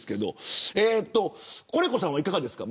コレコさん、いかがですか。